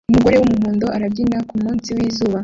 Umugore wumuhondo arabyina kumunsi wizuba